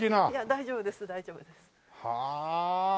大丈夫です大丈夫です。はあ。